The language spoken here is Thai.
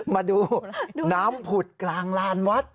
มาดูน้ำผุดกลางลานวัด